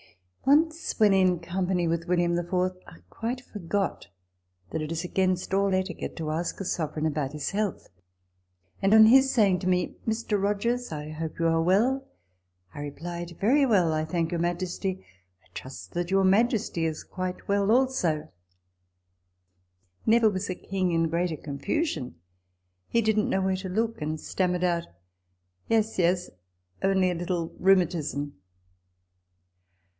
Once, when in company with William the Fourth, I quite forgot that it is against all etiquette to ask a sovereign about his health ; and, on his saying to me, " Mr. Rogers, I hope you are well," I re plied, " Very well, I thank your majesty :/ trust that your majesty is quite well also" Never was a king in greater confusion ; he didn't know where to look, and stammered out, " Yes, yes, only a little rheumatism."